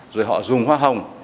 rồi họ dùng hoa hồng